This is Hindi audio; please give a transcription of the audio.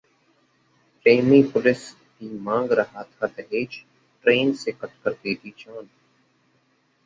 प्रेमी पुलिस ही मांग रहा था दहेज, ट्रेन से कटकर दे दी जान